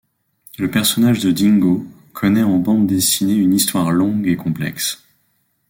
Le personnage de Dingo connaît en bandes dessinées une histoire longue et complexe.